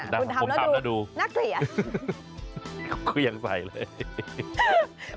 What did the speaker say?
ผมทำแล้วดูน่าเกลียดคุณทำแล้วดูคุณยังใส่เลย